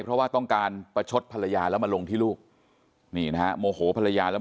เพราะว่าต้องการประชดภรรยาแล้วมาลงที่ลูกนี่นะฮะโมโหภรรยาแล้ว